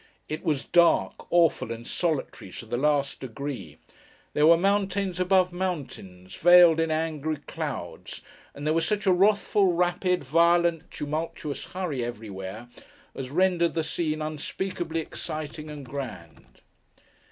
It was dark, awful, and solitary to the last degree; there were mountains above mountains, veiled in angry clouds; and there was such a wrathful, rapid, violent, tumultuous hurry, everywhere, as rendered the scene unspeakably exciting and grand.